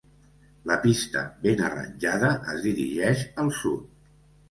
La pista, ben arranjada, es dirigeix al sud.